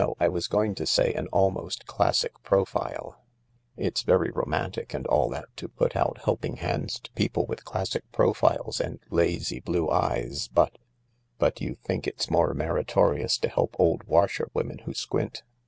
I was going to say an almost classic profile. THE LARK 118 It's very romantic and all that to put out helping hands to people with classic profiles and lazy blue eyes, but "" But you think it's more meritorious to help old washer women who squint